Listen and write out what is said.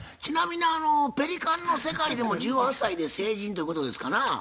ちなみにペリカンの世界でも１８歳で成人ということですかな？